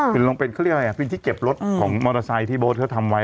เป็นที่เก็บรถของมอเตอร์ไซค์ที่บอทเขาทำไว้